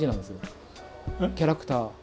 キャラクター。